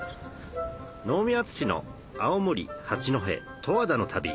能見篤史の青森・八戸十和田の旅